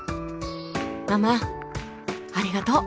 ママありがとう！